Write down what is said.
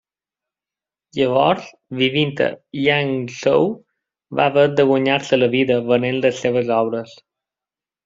Llavors, vivint a Yangzhou, va haver de guanyar-se la vida venent les seves obres.